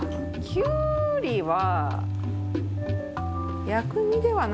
「きゅうりを？」